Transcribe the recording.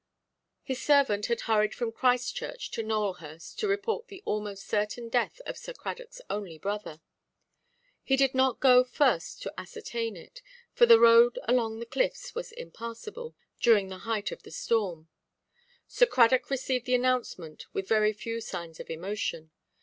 His servant had hurried from Christchurch to Nowelhurst to report the almost certain death of Sir Cradockʼs only brother. He did not go first to ascertain it; for the road along the cliffs was impassable during the height of the storm. Sir Cradock received the announcement with very few signs of emotion.